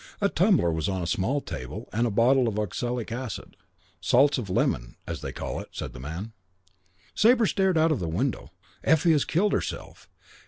A tumbler was on a small table and a bottle of oxalic acid, "salts of lemon, as they call it," said the man. Sabre stared out of the window. "Effie has killed herself.